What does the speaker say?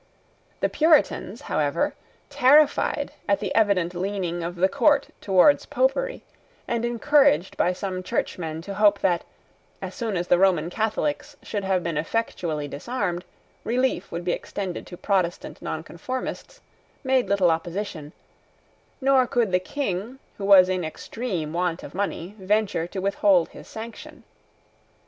The Puritans, however, terrified at the evident leaning of the court towards Popery, and encouraged by some churchmen to hope that, as soon as the Roman Catholics should have been effectually disarmed, relief would be extended to Protestant Nonconformists, made little opposition; nor could the King, who was in extreme want of money, venture to withhold his sanction.